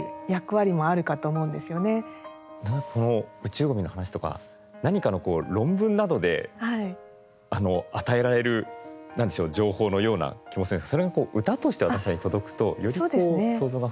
この宇宙ゴミの話とか何かの論文などで与えられる何でしょう情報のような気もするんですがそれが歌として私たちに届くとよりこう想像が膨らみますね。